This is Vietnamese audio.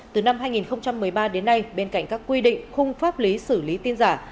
từ năm hai nghìn một mươi ba đến nay bên cạnh các quy định khung pháp lý xử lý tin giả